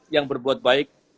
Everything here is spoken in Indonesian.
yang berbuat baik